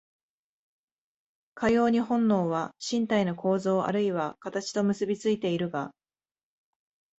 かように本能は身体の構造あるいは形と結び付いているが、